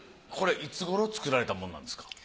これいつ頃作られたものなんですか？